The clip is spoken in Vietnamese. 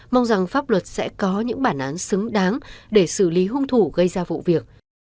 mong rằng pháp luật sẽ có những bản án xứng đáng để xử lý hung thủ gây ra vụ việc